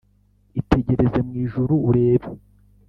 Itegereze mu ijuru urebe